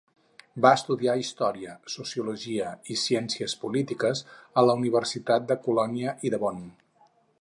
Va estudiar història, sociologia i ciències polítiques a la Universitat de Colònia i de Bonn.